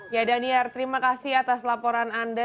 ya daniar terima kasih atas laporan anda